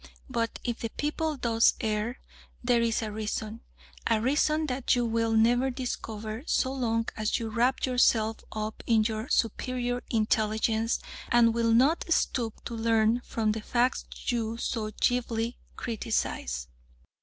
But if the people thus err, there is a reason a reason that you will never discover so long as you wrap yourself up in your superior intelligence, and will not stoop to learn from the facts you so glibly criticise.